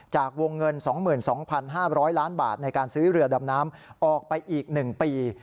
จากวงเงิน๒๒๕๐๐ล้านบาทในการซื้อเรือดำน้ำออกไปอีก๑ปี